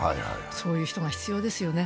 そういう人が必要ですよね。